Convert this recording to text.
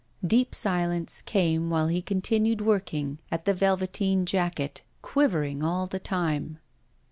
Deep silence came while he continued working at the velveteen jacket, quivering all the time.